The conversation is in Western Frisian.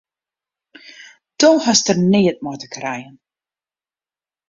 Do hast der neat mei te krijen!